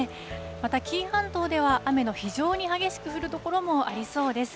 また紀伊半島では、雨の非常に激しく降る所もありそうです。